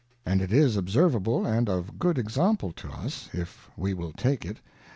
And it is observable and of good example to us, if we will take it.